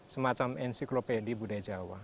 semacam ensiklopedi budaya jawa